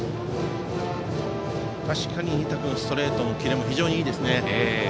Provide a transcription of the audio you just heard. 確かに仁田君はストレートのキレも非常にいいですね。